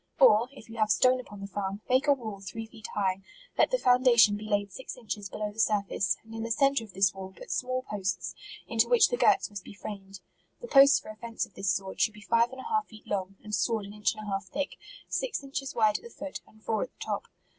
Or, if you have stone upon the farm, make a wall three feet high ; let the foundation be laid six inches below the sur face ; and in the centre of this wall put small posts, into which the girts must be framed. The posts for a fence of this sort, should be five and a half feet long, and sawed an inch and a half thick, six inches wide at the foot, and four at the top.